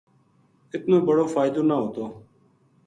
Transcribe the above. اتنو بڑو فائدو نہ ہوتو